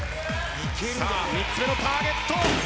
さあ３つ目のターゲット。